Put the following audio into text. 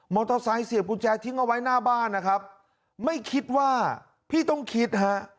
เตอร์ไซค์เสียบกุญแจทิ้งเอาไว้หน้าบ้านนะครับไม่คิดว่าพี่ต้องคิดฮะ